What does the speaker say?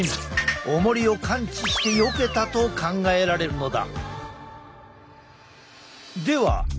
おもりを感知してよけたと考えられるのだ。